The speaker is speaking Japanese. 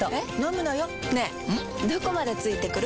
どこまで付いてくる？